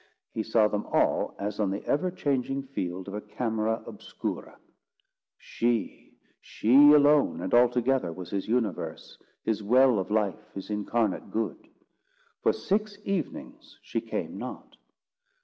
He saw them all as on the ever changing field of a camera obscura. She—she alone and altogether—was his universe, his well of life, his incarnate good. For six evenings she came not.